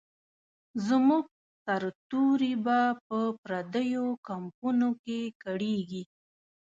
زموږ سرتوري به په پردیو کمپونو کې کړیږي.